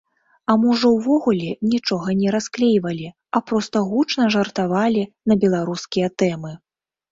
А можа ўвогуле нічога не расклейвалі, а проста гучна жартавалі на беларускія тэмы.